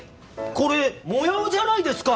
これモヤオじゃないですか！